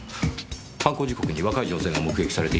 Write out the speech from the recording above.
犯行時刻に若い女性が目撃されていましたね？